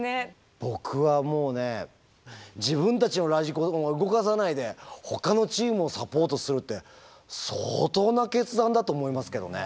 僕はもうね自分たちのラジコンは動かさないでほかのチームをサポートするって相当な決断だと思いますけどね。